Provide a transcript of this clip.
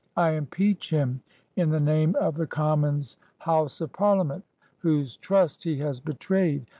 I impeach him in the name of the Com 167 INDIA mons' House of Parliament, whose trust he has betrayed.